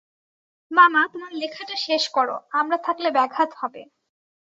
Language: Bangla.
মামা, তোমার লেখাটা শেষ করো, আমরা থাকলে ব্যাঘাত হবে।